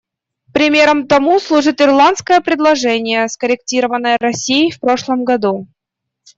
Примером тому служит ирландское предложение, скорректированное Россией в прошлом году.